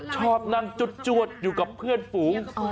ชอบนั่งจวดอยู่กับเพื่อนฝูง